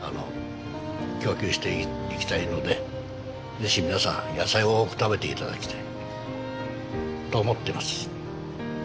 ぜひ皆さん野菜を多く食べて頂きたいと思っています。